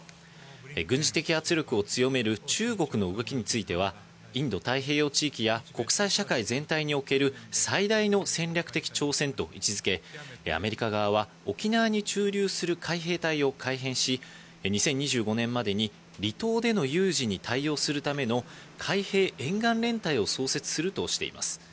軍事的圧力を強める中国の動きについては、インド太平洋地域や国際社会全体における最大の戦略的挑戦と位置付け、アメリカ側は沖縄に駐留する海兵隊を改編し、２０２５年までに離島での有事に対応するための海兵沿岸連隊を創設するとしています。